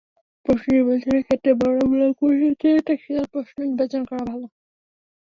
প্রশ্ন নির্ধারণের ক্ষেত্রে বর্ণনামূলক প্রশ্নের চেয়ে টেকনিক্যাল প্রশ্ন নির্বাচন করা ভালো।